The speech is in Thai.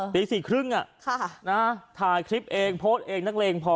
ตี๔๓๐ถ่ายคลิปเองโพสต์เองนักเลงพอ